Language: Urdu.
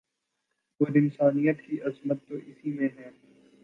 اور انسانیت کی عظمت تو اسی میں ہے